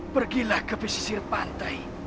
pergilah ke pisisir pantai